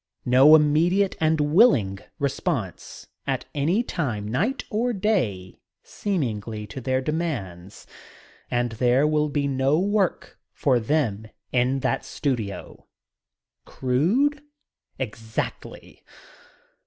No immediate and willing response at any time, night or day, seemingly, to their demands and there will be no more work for them in that studio. Crude? Exactly.